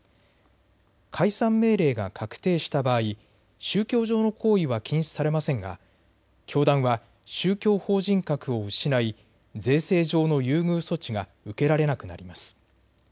解散命令が確定した場合、宗教上の行為は禁止されませんが教団は宗教法人格を失い税制上の優遇措置が受けられなくなります。